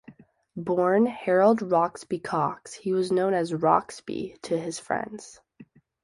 Born Harold Roxbee Cox, he was known as 'Roxbee' to his friends.